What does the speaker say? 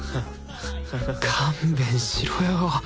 勘弁しろよ。